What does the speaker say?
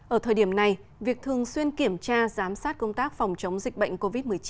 ở thời điểm này việc thường xuyên kiểm tra giám sát công tác phòng chống dịch bệnh covid một mươi chín